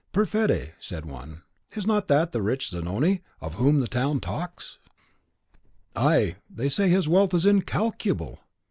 "Per fede," said one, "is not that the rich Zanoni, of whom the town talks?" "Ay; they say his wealth is incalculable!"